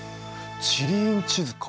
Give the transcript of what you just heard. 地理院地図か。